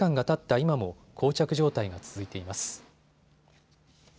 今も、こう着状態が続いています。